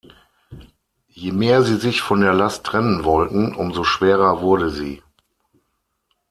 Je mehr sie sich von der Last trennen wollten, umso schwerer wurde sie.